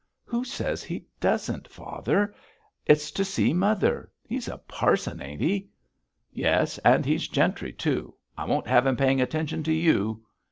'Who says he doesn't, father? It's to see mother; he's a parson, ain't he?' 'Yes! and he's gentry too. I won't have him paying attention to you.'